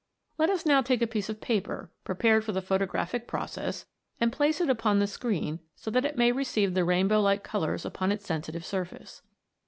Let us now take a piece of paper, prepared for the photographic process, and place it upon the screen so that it may receive the rainbow like colours upon its sensitive surface.